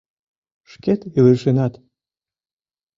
Шкет илышынат.